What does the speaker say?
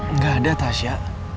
nggak ada tasya